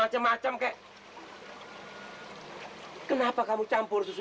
timeframe dua puluh lima untuk kasih